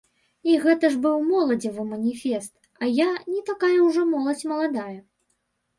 І гэта ж быў моладзевы маніфест, а я не такая ўжо моладзь маладая.